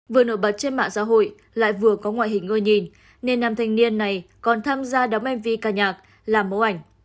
vừa nổi bật trên mạng xã hội lại vừa có ngoại hình ơi nhìn nên nam thanh niên này còn tham gia đóng mv ca nhạc làm mẫu ảnh